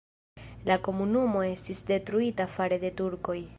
La komunumo estis detruita fare de turkoj.